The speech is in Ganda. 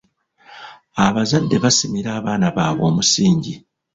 Abazadde basimira abaana baabwe omusingi.